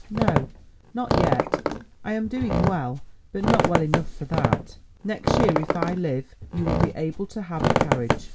"No, not yet; I am doing well, but not well enough for that. Next year, if I live, you will be able to have a carriage.